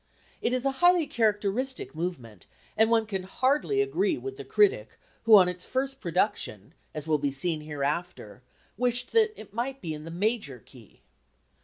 It is a highly characteristic movement, and one can hardly agree with the critic who on its first production, as will be seen hereafter, wished that it might be in the major key.